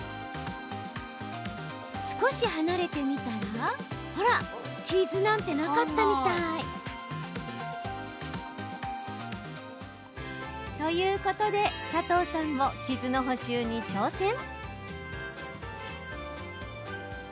少し離れて見たら傷なんてなかったみたい。ということで佐藤さんも傷の補修に挑戦。